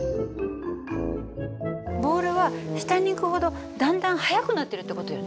ボールは下にいくほどだんだん速くなってるって事よね。